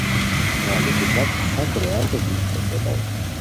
غیڑوچی بپ شک رویانتے دی ویݰئیتائے